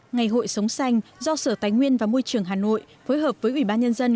ngày hội sống xanh do sở tài nguyên và môi trường hà nội phối hợp với ủy ban nhân dân